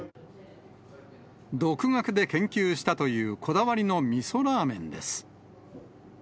独学で研究したというこだわりのみそラーメンです。